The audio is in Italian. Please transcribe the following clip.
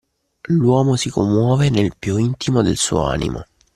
L'uomo si commuove nel più intimo del suo animo